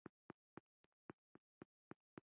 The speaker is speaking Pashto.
د دیوال رنګ ژیړ شوی و.